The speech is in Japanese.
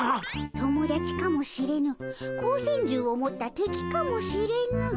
友だちかもしれぬ光線銃を持った敵かもしれぬ。